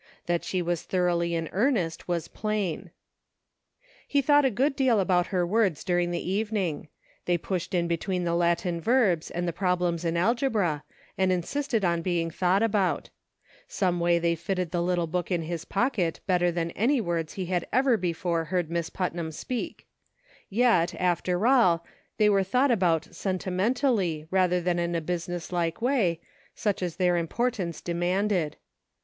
That she was thor oughly in earnest, was plain. He thought a good deal about her words during the evening ; they pushed in between the Latin verbs and the problems in algebra, and insisted on being thought about ; someway they fitted the little book in his pocket better than any words he had ever before heard Miss Putnam speak ; yet after all, they were thought about sentimentally rather than in a business like way, such as their impor tance demanded.